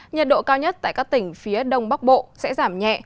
nhiệt độ cao nhất tại các tỉnh phía đông bắc bộ sẽ giảm nhẹ